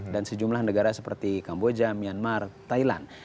dan sejumlah negara seperti kamboja myanmar thailand